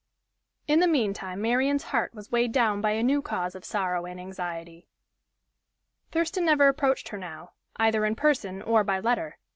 In the meantime Marian's heart was weighed down by a new cause of sorrow and anxiety. Thurston never approached her now, either in person or by letter.